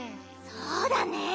そうだね。